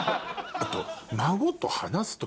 あと。